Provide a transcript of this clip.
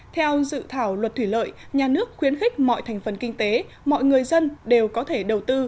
theo dự thảo luật thủy lợi nhà nước khuyến khích mọi thành phần kinh tế mọi người dân đều có thể đầu tư